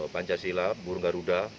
pancasila burung garuda